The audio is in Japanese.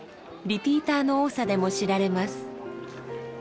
リピーターの多さでも知られます。